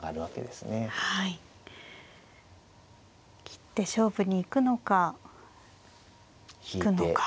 切って勝負に行くのか引くのか。